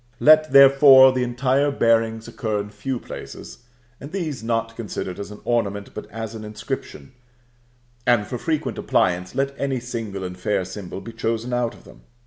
Let, therefore, the entire bearings occur in few places, and these not considered as an ornament, but as an inscription; and for frequent appliance, let any single and fair symbol be chosen out of them.